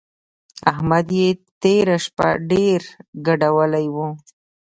احمد يې تېره شپه ډېر ګډولی وو.